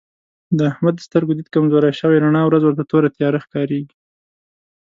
د احمد د سترګو دید کمزوری شوی رڼا ورځ ورته توره تیاره ښکارېږي.